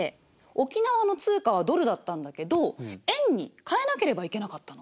沖縄の通貨はドルだったんだけど円に替えなければいけなかったの。